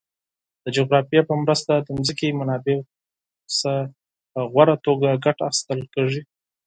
د جغرافیه په مرسته د ځمکې منابعو څخه په غوره توګه ګټه اخیستل کیږي.